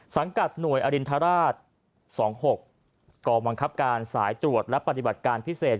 กับหน่วยอรินทราช๒๖กองบังคับการสายตรวจและปฏิบัติการพิเศษ